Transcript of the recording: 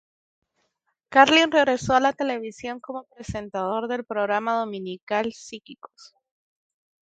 Carlín regresó a la televisión como presentador del programa dominical "Psíquicos".